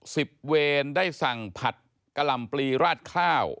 เวรได้สั่งผัดกะหล่ำปลีราดข้าว